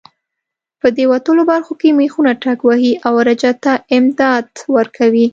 په دې وتلو برخو کې مېخونه ټکوهي او رجه ته امتداد ورکوي.